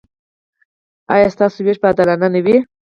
ایا ستاسو ویش به عادلانه نه وي؟